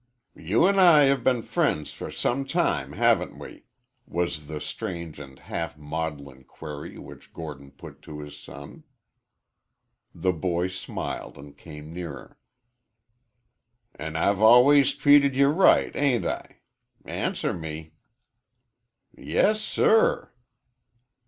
"You an' I have been friends for some time, haven't we?" was the strange and half maudlin query which Gordon put to his son. The boy smiled and came nearer. "An' I've always treated ye right ain't I? Answer me." "Yes, sir."